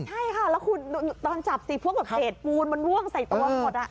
ใช่ค่ะแล้วคุณตอนจับสิพวกแบบเศษปูนมันร่วงใส่ตัวหมด